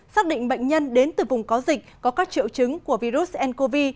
xác định bệnh nhân đến từ vùng có dịch có các triệu chứng của virus ncov